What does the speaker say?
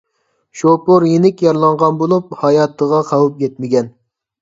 شوپۇر يېنىك يارىلانغان بولۇپ، ھاياتىغا خەۋپ يەتمىگەن.